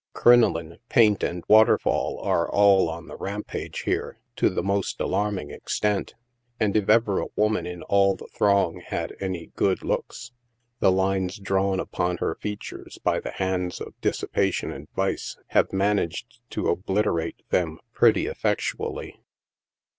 Crinoline, paint and waterfall are all on the rampage here, to the most alarming extent, and if ever a woman in all the throng had any good looks, the lines drawn upon ber features by the hands of dissipation and vice, have managed to obliterate them pret.y effec tually.